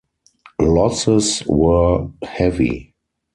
Losses were heavy.